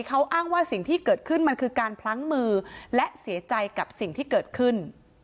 เขาอ้างว่าสิ่งที่เกิดขึ้นมันคือการพลั้งมือและเสียใจกับสิ่งที่เกิดขึ้น